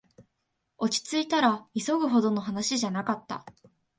落ちついたら、急ぐほどの話じゃなかった